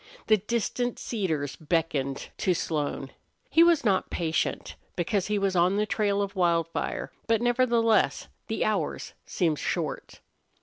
The distant cedars beckoned to Slone. He was not patient, because he was on the trail of Wildfire; but, nevertheless, the hours seemed short.